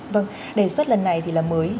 vâng đề xuất lần này thì là mới